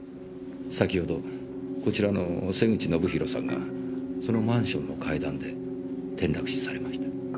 先ほどこちらの瀬口信大さんがそのマンションの階段で転落死されました。